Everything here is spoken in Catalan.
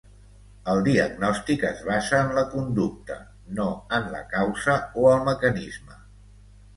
El diagnòstic es basa en la conducta, no en la causa o el mecanisme.